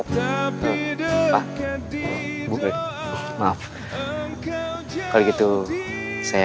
tapi dekat di doa